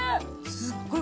すっごい